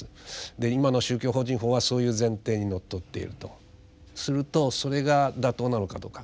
で今の宗教法人法はそういう前提にのっとっているとするとそれが妥当なのかどうか。